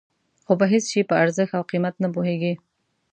خو په هېڅ شي په ارزښت او قیمت نه پوهېږي.